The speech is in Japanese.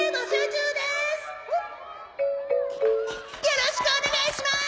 よろしくお願いします！